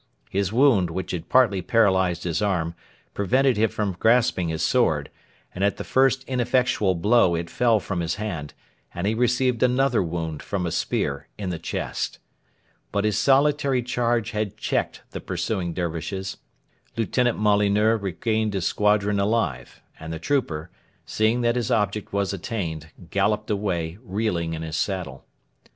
His wound, which had partly paralysed his arm, prevented him from grasping his sword, and at the first ineffectual blow it fell from his hand, and he received another wound from a spear in the chest. But his solitary charge had checked the pursuing Dervishes. Lieutenant Molyneux regained his squadron alive, and the trooper, seeing that his object was attained, galloped away, reeling in his saddle.